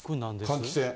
換気扇。